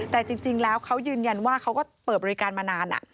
แต่จริงแล้วเขายืนยันว่าเขาก็เปิดบริการมานาน